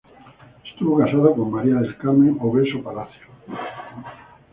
Estuvo casado con María del Carmen Obeso Palacio.